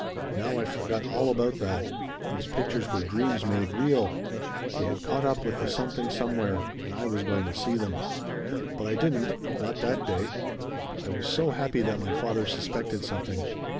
"Now I forgot all about that. These pictures were dreams made real. They had caught up with the Something Somewhere. And I was going to see them. "But I didn't not that day. I was so happy that my father suspected something.